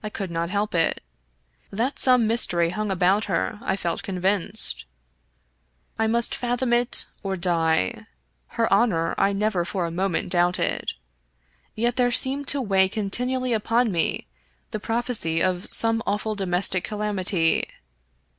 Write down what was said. I could not help it. That some mystery hung about her I felt convinced. I must fathom it or die. Her honor I never for a moment doubted ; yet there seemed to weigh continually upon me the prophecy of some awful domestic calamity.